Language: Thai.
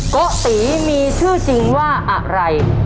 โกะตีมีชื่อจริงว่าอะไร